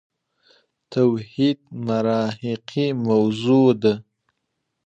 توحيد محراقي موضوع ده.